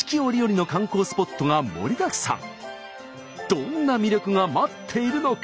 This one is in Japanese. どんな魅力が待っているのか？